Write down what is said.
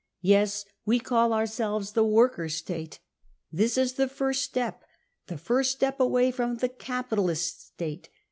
Yes, we call ourselves the Workers' State. This is the first step. The first step away from the capitalist State.